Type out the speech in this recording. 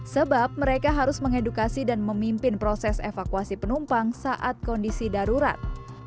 sebab mereka harus mengedukasi dan memimpin proses evakuasi penumpang saat kondisi darurat